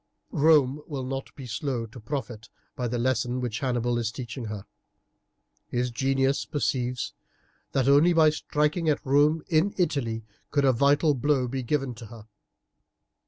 "Rome will not be slow to profit by the lesson which Hannibal is teaching her. His genius perceives that only by striking at Rome in Italy could a vital blow be given to her.